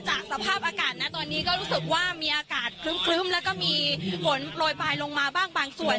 สภาพอากาศนะตอนนี้ก็รู้สึกว่ามีอากาศครึ้มแล้วก็มีฝนโปรยปลายลงมาบ้างบางส่วน